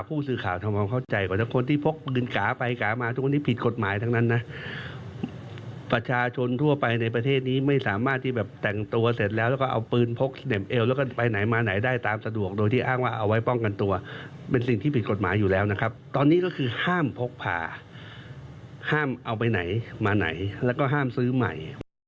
คือห้ามพกพาห้ามเอาไปไหนมาไหนแล้วก็ห้ามซื้อใหม่